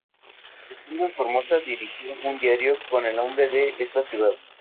Estando en Formosa, dirigió un diario con el nombre de esta ciudad.